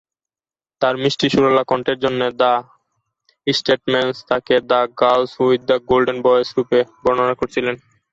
তাঁর মিষ্টি সুরেলা কণ্ঠের জন্যে "দ্য স্টেটসম্যান" তাঁকে "the girl with the golden voice" রুপে বর্ণনা করেছিল।